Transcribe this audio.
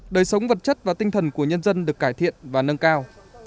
đời sống vật chất và tinh thần của nhân dân được cải thiện và nâng cao